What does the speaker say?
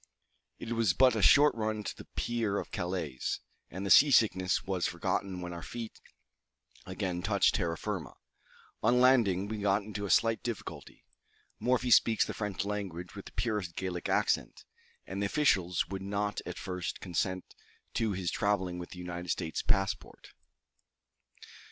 It was but a short run to the pier of Calais, and the sea sickness was forgotten when our feet again touched terra firma. On landing, we got into a slight difficulty. Morphy speaks the French language with the purest Gallic accent, and the officials would not at first consent to his travelling with a United States passport.